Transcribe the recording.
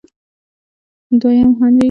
دویم هانري په خپل قلمرو کې بندیخانې جوړې کړې.